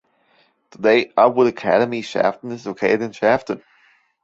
Today, Outwood Academy Shafton is located in Shafton.